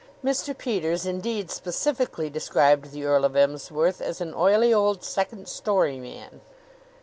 Mr. Peters, indeed, specifically described the Earl of Emsworth as an oily old second story man.